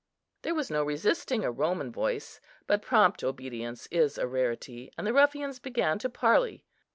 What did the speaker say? There was no resisting a Roman voice, but prompt obedience is a rarity, and the ruffians began to parley.